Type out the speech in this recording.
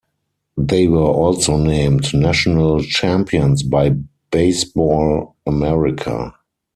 They were also named National Champions by Baseball America.